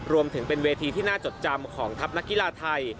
รวมถึงเป็นเวทีที่น่าจดจำของทัพนักกีฬาไทย